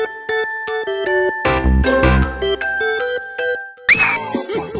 สดยง